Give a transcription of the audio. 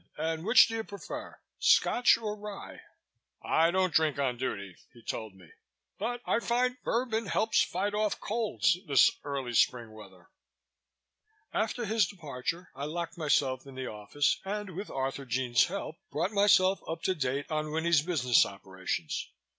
"And which do you prefer Scotch or rye?" "I don't drink on duty," he told me, "but I find Bourbon helps fight off colds this early spring weather." After his departure, I locked myself in the office and with Arthurjean's help, brought myself up to date on Winnie's business operations.